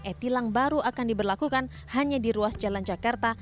e tilang baru akan diberlakukan hanya di ruas jalan jakarta